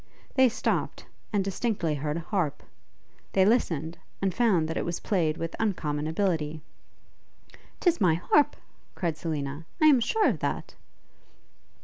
They stopped, and distinctly heard a harp; they listened, and found that it was played with uncommon ability. ''Tis my harp!' cried Selina, 'I am sure of that!'